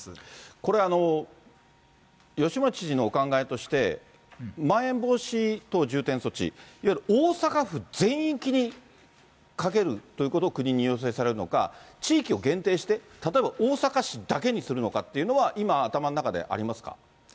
これは吉村知事のお考えとして、まん延防止等重点措置、いわゆる大阪府全域にかけるということを国に要請されるのか、地域を限定して、例えば、大阪市だけにするのかっていうのは、今、頭の中でありますか？